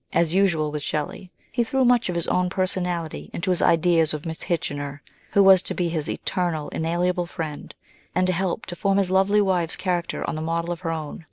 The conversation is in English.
As usual with Shelley, he threw much of his own per sonality into his ideas of Miss Kitchener, who was to be his " eternal inalienable friend," and to help to form his lovely wife's character on the model of her own.